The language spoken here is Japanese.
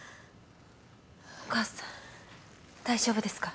お母さん大丈夫ですか？